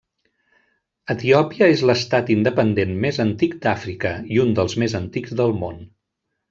Etiòpia és l'estat independent més antic d'Àfrica i un dels més antics del món.